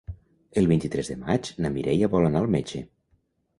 El vint-i-tres de maig na Mireia vol anar al metge.